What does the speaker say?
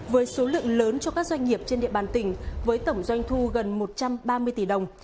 với số lượng lớn cho các doanh nghiệp trên địa bàn tỉnh với tổng doanh thu gần một trăm ba mươi tỷ đồng